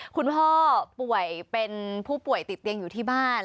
คุณพ่อป่วยเป็นผู้ป่วยติดเตียงอยู่ที่บ้าน